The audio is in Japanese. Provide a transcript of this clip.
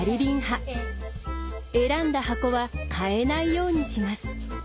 選んだ箱は変えないようにします。